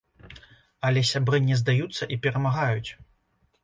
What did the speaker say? Але сябры не здаюцца і перамагаюць.